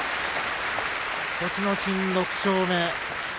栃ノ心６勝目。